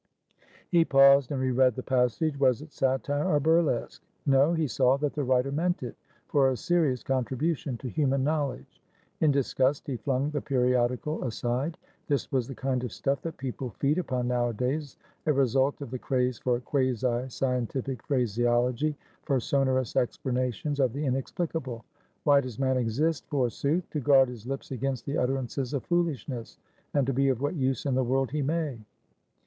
He paused, and re read the passage. Was it satire or burlesque? No, he saw that the writer meant it for a serious contribution to human knowledge. In disgust he flung the periodical aside. This was the kind of stuff that people feed upon nowadays, a result of the craze for quasi scientific phraseology, for sonorous explanations of the inexplicable. Why does man exist, forsooth! To guard his lips against the utterances of foolishness, and to be of what use in the world he may.